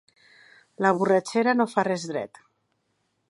La borratxera no fa res dret.